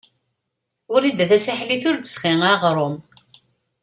Wrida Tasaḥlit ur d-tesɣi aɣrum.